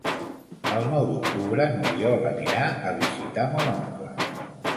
El nou d'octubre n'Oriol anirà a visitar mon oncle.